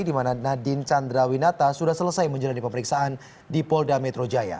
di mana nadine chandrawinata sudah selesai menjalani pemeriksaan di polda metro jaya